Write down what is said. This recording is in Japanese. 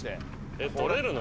えっ撮れるの？